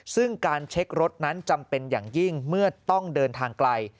ซึ่งการเช็ครถนั้นจำเป็นอย่างยิ่งเมื่อต้องเดินทางไกล